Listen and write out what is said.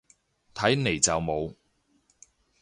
睇嚟就冇